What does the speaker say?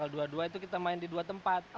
dua dua itu kita main di dua tempat